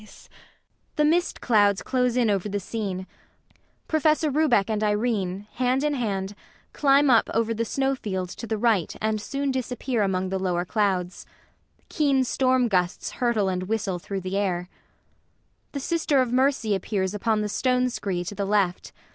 [The mist clouds close in over the scene PROFESSOR RUBEK and IRENE, hand in hand, climb up over the snow field to the right and soon disappear among the lower clouds. Keen storm gusts hurtle and whistle through the air. [The SISTER OF MERCY appears upon the stone scree to the left.